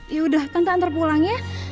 yaudah tante antar pulang ya